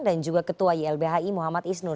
dan juga ketua ilbhi muhammad isnur